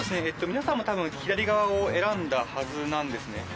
皆さんも多分左側を選んだはずなんですね